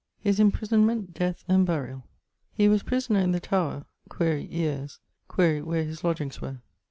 <_His imprisonment, death, and burial._> He was prisoner in the Tower ... (quaere) yeares; quaere where his lodgeings were?